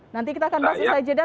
nanti kita akan bahas di sajedah